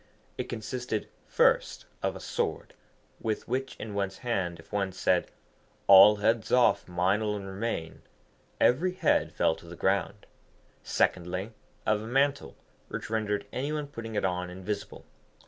It consisted, first, of a sword, with which in one's hand, if one said, 'All heads off, mine alone remain,' every head fell to the ground. Secondly, of a mantle which rendered any one putting it on invisible.